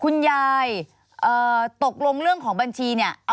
คุณยายตกลงเรื่องของบัญชีเนี่ย